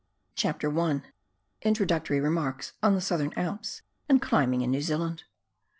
CHAPTER I. INTRODUCTORY REMARKS ON THE SOUTHERN ALPS AND CLIMBING IN NEW ZEALAND.